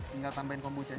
tinggal tambahin kombucanya